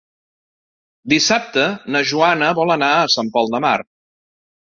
Dissabte na Joana vol anar a Sant Pol de Mar.